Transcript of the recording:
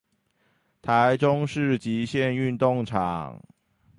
臺中市極限運動場